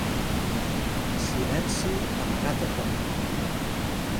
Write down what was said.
Silenci, que la gata pon.